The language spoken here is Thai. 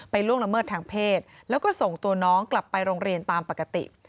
ล่วงละเมิดทางเพศแล้วก็ส่งตัวน้องกลับไปโรงเรียนตามปกติ